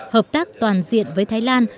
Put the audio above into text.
hợp tác toàn diện với thái lan